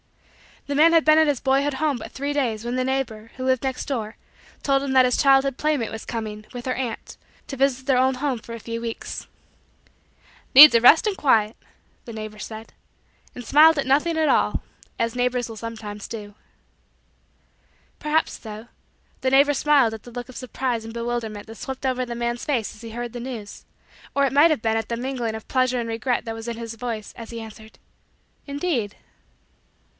The man had been at his boyhood home but three days when the neighbor, who lived next door, told him that his childhood playmate was coming, with her aunt, to visit their old home for a few weeks. "Needs a rest and quiet" the neighbor said; and smiled at nothing at all as neighbors will sometimes do. Perhaps, though, the neighbor smiled at the look of surprise and bewilderment that swept over the man's face as he heard the news, or it might have been at the mingling of pleasure and regret that was in his voice as he answered: "Indeed."